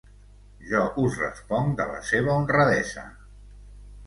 Jo us responc de la seva honradesa.